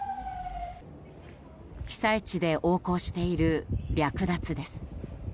被災地で横行している略奪です。